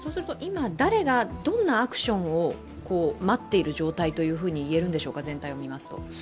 今、誰がどんなアクションを待っている状態と言えるんでしょうか、全体を見ますと。